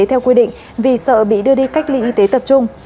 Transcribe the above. theo quy định vì sợ bị đưa đi cách ly y tế tập trung